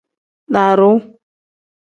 Daaru.